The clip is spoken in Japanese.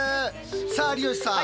さあ有吉さん